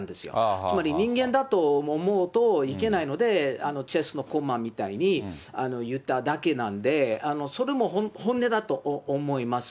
つまり人間だと思うといけないので、チェスの駒みたいに言っただけなんで、それも本音だと思います。